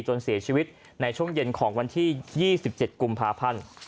จนเสียชีวิตในช่วงเย็นของวันที่๒๗กุมภาพันธ์